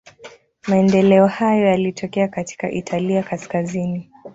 Maendeleo hayo yalitokea katika Italia kaskazini.